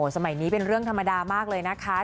สมัยนี้เป็นเรื่องธรรมดามากเลยนะคะ